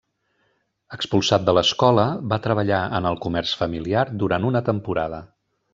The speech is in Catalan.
Expulsat de l'escola, va treballar en el comerç familiar durant una temporada.